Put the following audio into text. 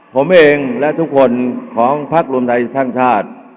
ผมเองและทุกคนของพักรวมไทยสร้างชาติ